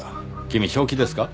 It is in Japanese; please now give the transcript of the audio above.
君正気ですか？